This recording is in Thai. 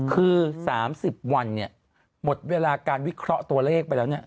คือ๓๐วันหมดเวลาการวิเคราะห์ตัวเลขไปแล้ว